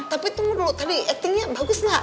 tapi tunggu dulu tadi actingnya bagus nggak